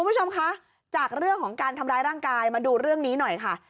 คุณผู้ชมคะจากเรื่องของการทำร้ายร่างกายมาดูเรื่องนี้หน่อยค่ะ